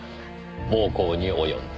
暴行に及んだ。